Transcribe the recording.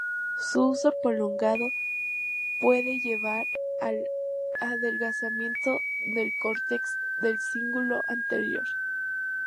Su uso prolongado puede llevar al adelgazamiento del cortex del cíngulo anterior.